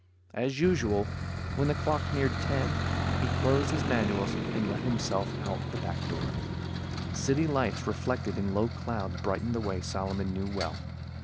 As usual, when the clock neared ten, he closed his manuals and let himself out the back door. City lights, reflected in low clouds, brightened the way Solomon knew well.